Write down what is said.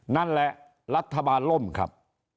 นั่นแหละรัฐบาลล่มครับ